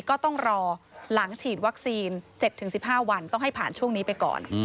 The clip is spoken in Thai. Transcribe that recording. ก็ต้องรอหลังฉีดวัคซีน๗๑๕วันต้องให้ผ่านช่วงนี้ไปก่อน